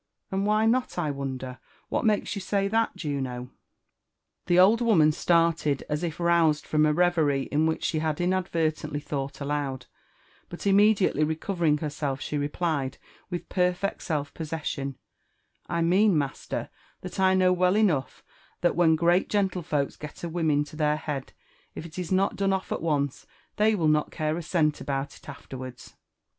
" And why not, I wonder? — ^What makes you say that, Juno f* The old woman started, as if roused from a reverie in which she had inadvertently thought aloud ; but immediately recovering herself, she replied, with perfect self possession, "I mean, master, that I know well enough, that when great gentlefolks get a whim into their bead, if it is not done off at once, they will not care a cent about it afterwards."